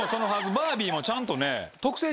バービーもちゃんとね。